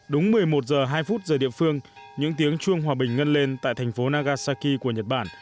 đúng một mươi một giờ hai phút giờ địa phương những tiếng chuông hòa bình ngân lên tại thành phố nagasaki của nhật bản